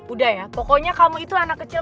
udah ya pokoknya kamu itu anak kecil